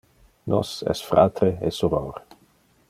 Nos es fratre e soror.